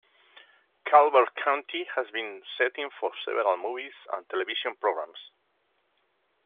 Calvert County has been the setting for several movies and television programs.